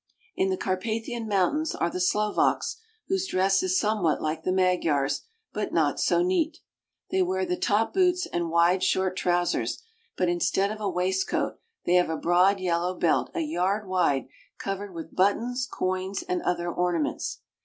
In the Carpathian Mountains are the Slovaks, whose dress is somewhat like the Magyars', but not so neat. They wear the top boots and wide short trousers, but instead of a waistcoat they have a broad yellow belt a yard wide covered with buttons, coins, and other ornaments.